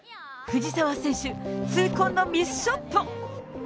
藤澤選手、痛恨のミスショット。